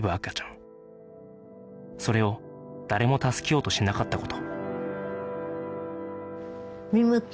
それを誰も助けようとしなかった事